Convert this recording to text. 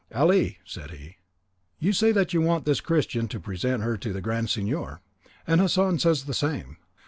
"Ali," said he, "you say that you want this Christian to present her to the Grand Signor; and Hassan says the same.